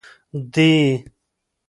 دي